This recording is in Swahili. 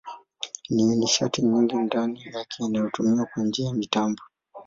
Ina nishati nyingi ndani yake inayotumiwa kwa njia ya mitambo.